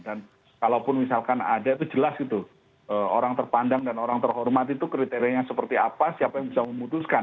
dan kalaupun misalkan ada itu jelas gitu orang terpandang dan orang terhormat itu kriterianya seperti apa siapa yang bisa memutuskan